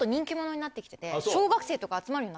になって来てて。